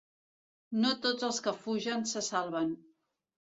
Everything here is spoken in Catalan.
No tots els que fugen se salven.